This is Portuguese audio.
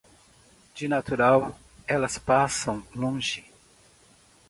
De natural, elas passam longe.